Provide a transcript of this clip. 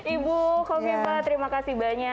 ibu kofi mbak terima kasih banyak